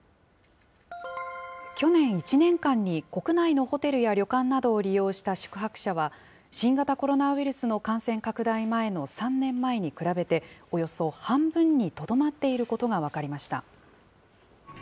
去年１年間に、国内のホテルや旅館などを利用した宿泊者は、新型コロナウイルスの感染拡大前の３年前に比べて、およそ半分にとどまっていることが分かりました。